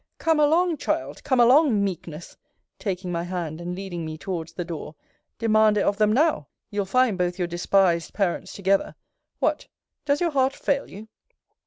Come along, Child! Come along, Meekness taking my hand, and leading me towards the door Demand it of them now you'll find both your despised parents together! What! does your heart fail you?